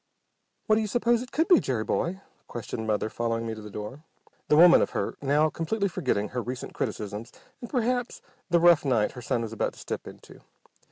"What do you suppose it could be, Jerry boy?" questioned Mother following me to the door, the woman of her now completely forgetting her recent criticisms and, perhaps, the rough night her son was about to step into.